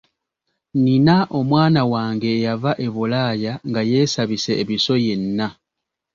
Nina omwana wange yava e Bulaaya nga yeesabise ebiso yenna.